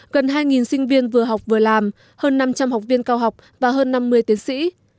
gần hai sinh viên vừa học vừa làm hơn năm trăm linh học viên cao học và hơn năm mươi tiến sĩ